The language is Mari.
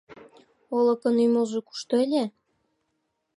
Олыкын ӱмылжӧ кушто ыле?